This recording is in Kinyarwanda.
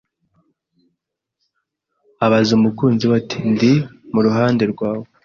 Abaza umukunzi we ati Ndi mu ruhande rwawe